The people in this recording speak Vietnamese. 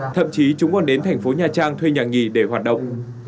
thậm chí chúng còn đến thành phố nha trang thuê nhà nghỉ để hoạt động